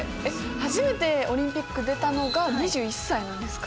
初めてオリンピック出たのが２１歳の時。